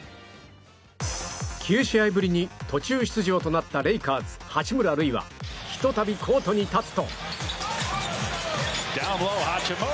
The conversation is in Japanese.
９試合ぶりに途中出場となったレイカーズ、八村塁はひと度、コートに立つと。